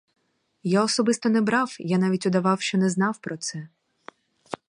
Я особисто не брав, я навіть удавав, що не знав про це.